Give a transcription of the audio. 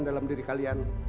dalam diri kalian